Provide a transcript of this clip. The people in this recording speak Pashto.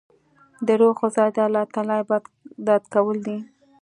د روح غذا د الله تعالی عبادت کول دی.